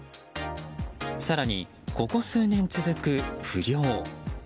更にここ数年、続く不漁。